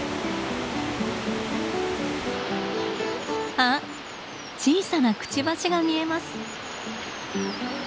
あっ小さなクチバシが見えます。